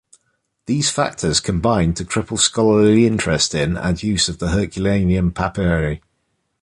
These factors combined to cripple scholarly interest in and use of the Herculaneum papyri.